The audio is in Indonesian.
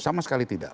sama sekali tidak